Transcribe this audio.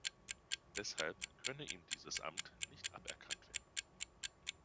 Deshalb könne ihm dieses Amt nicht aberkannt werden.